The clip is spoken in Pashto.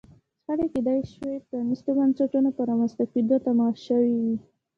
شخړې کېدای شوای پرانیستو بنسټونو په رامنځته کېدو تمامه شوې وای.